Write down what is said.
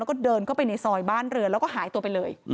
แล้วก็เดินเข้าไปในซอยบ้านเรือนแล้วก็หายตัวไปเลย